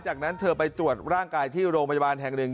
จากนั้นเธอไปตรวจร่างกายที่โรงพยาบาลแห่งหนึ่ง